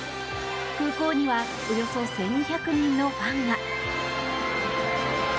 空港にはおよそ１２００人のファンが。